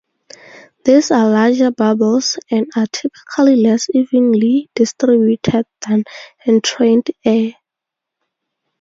These are larger bubbles, and are typically less evenly distributed than entrained air.